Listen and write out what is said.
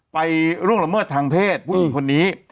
ล่วงละเมิดทางเพศผู้หญิงคนนี้